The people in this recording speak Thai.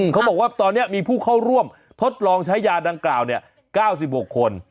เขาบอกว่าตอนนี้มีผู้เข้าร่วมทดลองใช้ยาดังกล่าว๙๖คน